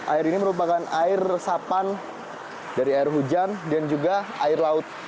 air ini merupakan air resapan dari air hujan dan juga air laut